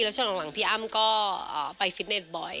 ช่วงหลังพี่อ้ำก็ไปฟิตเน็ตบ่อย